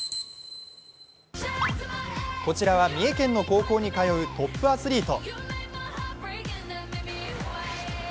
こちらは三重県の高校に通うトップアスリート。